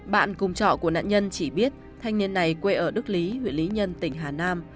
bạn cùng trò của nạn nhân chỉ biết thanh niên này quê ở đức lý huyện lý nhân tỉnh hà nam